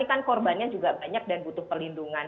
ini kan korbannya juga banyak dan butuh perlindungan